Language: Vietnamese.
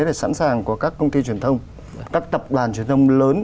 để sẵn sàng của các công ty truyền thông các tập đoàn truyền thông lớn